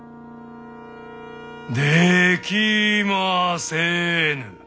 できませぬ。